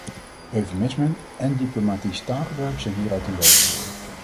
Eufemismen en diplomatisch taalgebruik zijn hier uit den boze.